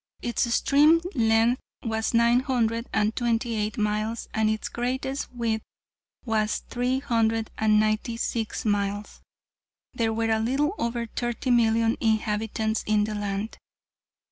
Its extreme length was nine hundred and twenty eight miles and its greatest width was three hundred and ninety six miles. There were a little over thirty million inhabitants in the land.